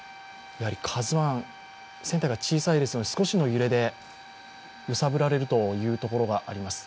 「ＫＡＺＵⅠ」、船体が小さいですので少しの揺れで揺さぶられるというところがあります。